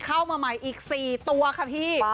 เข้ามาใหม่อีก๔ตัวค่ะพี่